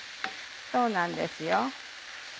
そうなんですよ。